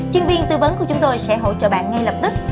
chuyên viên tư vấn của chúng tôi sẽ hỗ trợ bạn ngay lập tức